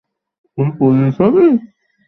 তুই পুলিশ হবি।